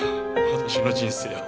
私の人生は。